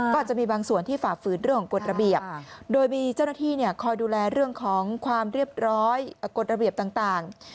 ก็อาจจะมีบางส่วนที่ฝ่าฝืนเรื่องของกฎระเบียบโดยมีเจ้าหน้าที่คอยดูแลเรื่องของความเรียบร้อยกฎระเบียบต่าง